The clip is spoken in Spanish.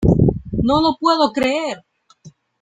¡No lo puedo creer!